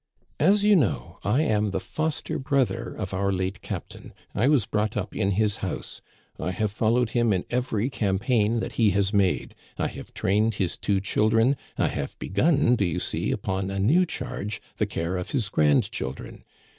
" As you know, I am the foster brother of our late captain ; I was brought up in his house ; I have followed him in every campaign that he has made; I have trained his two children ; I have begun, do you see, upon a new charge, the care of his grandchildren.